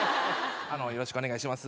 よろしくお願いします。